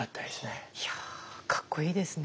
いやかっこいいですね。